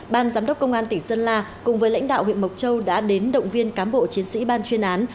ban giám đốc công an tỉnh sơn la cùng với lãnh đạo huyện mộc châu đã đến động viên cán bộ chiến sĩ ban chuyên án